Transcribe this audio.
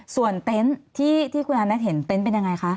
ส่วนเต็นต์ที่คุณอานัทเห็นเต็นต์เป็นยังไงคะ